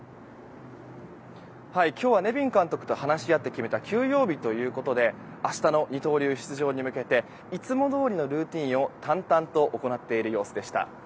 今日はネビン監督と話し合って決めた休養日ということで明日の二刀流出場に向けていつもどおりのルーチンを淡々と行っている様子でした。